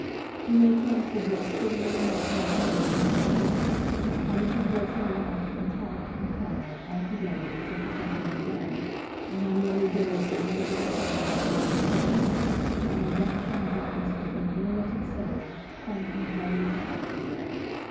You may fancy the hospitable and welcoming commotion that ensued; how Mrs. Wilson laughed, and talked, and cried, altogether, if such a thing can be done; and how Mary gazed with wondering pleasure at her old playmate; now a dashing, bronzed looking, ringletted sailor, frank, and hearty, and affectionate.